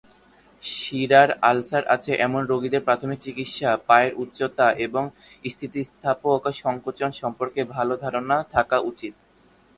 শিরার আলসার আছে এমন রোগীদের প্রাথমিক চিকিৎসা, পায়ের উচ্চতা এবং স্থিতিস্থাপক সংকোচন সম্পর্কে ভালো ধারণা থাকা উচিত।